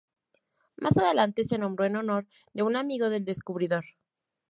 Más adelante se nombró en honor de un amigo del descubridor.